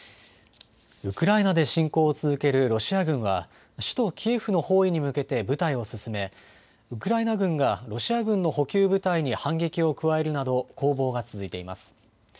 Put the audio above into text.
ウクライナで侵攻を続けるロシア軍は、首都キエフの包囲に向けて部隊を進め、ウクライナ軍がロシア軍の補給部隊に反撃を加えるなど、攻防が続いています。